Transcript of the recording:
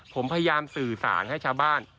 ผมพยายามสื่อสารให้ชาวบ้าน